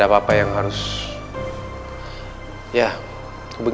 dia tau aku mau nyota ibu driver